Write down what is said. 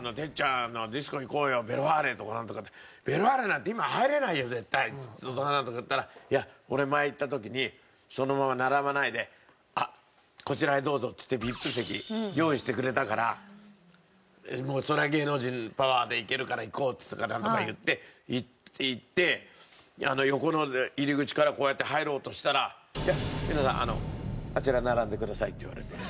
で山ちゃんが「ヴェルファーレなんて今入れないよ絶対」とかなんとか言ったら「いや俺前行った時にそのまま並ばないでこちらへどうぞっつってＶＩＰ席用意してくれたからもうそれは芸能人のパワーで行けるから行こう」とかなんとか言って行って横の入り口からこうやって入ろうとしたら「皆さんあちら並んでください」って言われて。